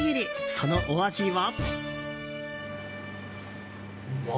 そのお味は。